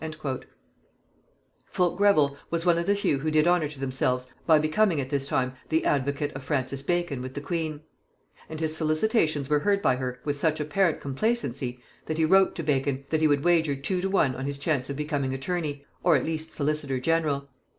Fulk Greville was one of the few who did honor to themselves by becoming at this time the advocate of Francis Bacon with the queen; and his solicitations were heard by her with such apparent complacency, that he wrote to Bacon, that he would wager two to one on his chance of becoming attorney, or at least solicitor general.